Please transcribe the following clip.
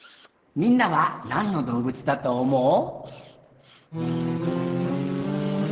みんなはなんのどうぶつだとおもう？